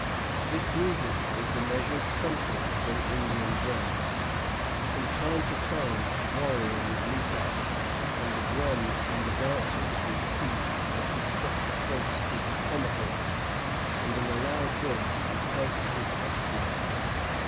This music was the measured thumping of an Indian drum. From time to time a warrior would leap up, and the drum and the dancers would cease as he struck a post with his tomahawk, and in a loud voice recounted his exploits.